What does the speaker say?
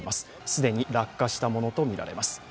既に落下したものとみられます。